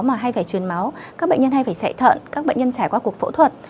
các bệnh nhân hay phải truyền máu các bệnh nhân hay phải chạy thận các bệnh nhân trải qua cuộc phẫu thuật